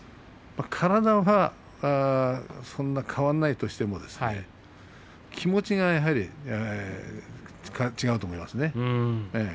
体はそんなに変わらないとしても気持ちがやはり違うと思いますね。